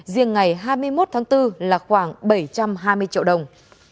riêng ngày hai mươi một tháng bốn là khoảng bảy trăm hai mươi triệu đồng